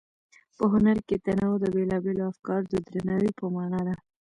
په هنر کې تنوع د بېلابېلو افکارو د درناوي په مانا ده.